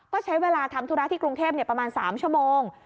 ก็ใช้เวลาทำธุระที่กรุงเทพประมาณ๓ชั่วโมง